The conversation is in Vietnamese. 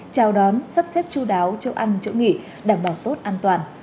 chào đón sắp xếp chú đáo chỗ ăn chỗ nghỉ đảm bảo tốt an toàn